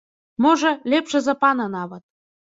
Можа, лепшы за пана нават.